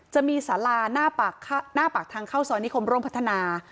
จะมีสาราหน้าปากทางเข้าซอยนิคมร่วมพัฒนา